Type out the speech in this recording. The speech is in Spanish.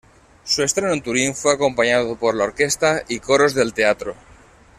Su estreno en Turín fue acompañado por la orquesta y coros del teatro.